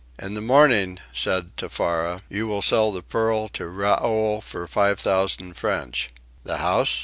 "In the morning," said Tefara, "you will sell the pearl to Raoul for five thousand French." "The house?"